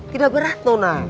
tidak berat nona